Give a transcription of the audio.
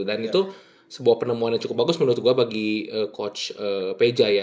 dan itu sebuah penemuan yang cukup bagus menurut gue bagi coach peja ya